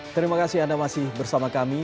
terima kasih anda masih bersama kami